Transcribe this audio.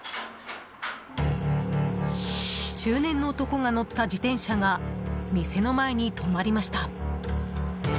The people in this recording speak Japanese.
中年の男が乗った自転車が店の前に止まりました。